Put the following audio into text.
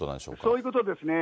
そういうことですね。